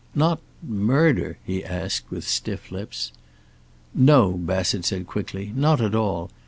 "Not murder?" he asked, with stiff lips. "No," Bassett said quickly. "Not at all.